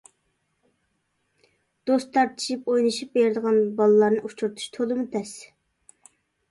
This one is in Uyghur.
دوست تارتىشىپ ئوينىشىپ بېرىدىغان بالىلارنى ئۇچرىتىش تولىمۇ تەس.